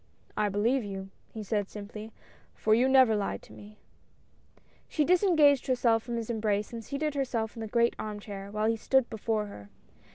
"I believe you," he said, simply, "for you never lied to me !" She disengaged herself from his embrace and seated herself in the great arm chair, while he stood before her.